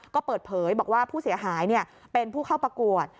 ก็เปิดเผยบอกว่าผู้เสียหายเป็นผู้เข้าประกวด